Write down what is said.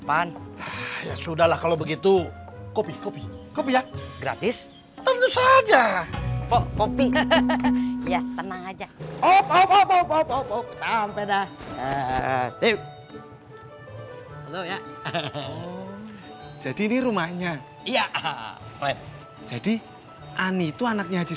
aja opo opo sampai dah ya hai lo ya jadi ini rumahnya iya jadi ani itu anaknya haji